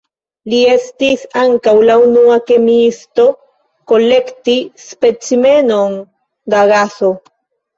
Li estis ankaŭ la unua kemiisto kolekti specimenon da gaso.